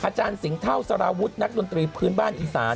อาจารย์สิงเท่าสารวุฒินักดนตรีพื้นบ้านอีสาน